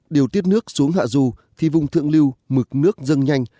điều tiết nước xuống hạ du thì vùng thượng liêu mực nước dâng nhanh